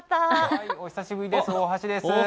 お久しぶりです、大橋です。